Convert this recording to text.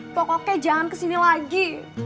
pokoknya jangan kesini lagi